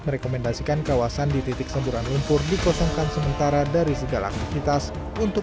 merekomendasikan kawasan di titik semburan lumpur dikosongkan sementara dari segala aktivitas untuk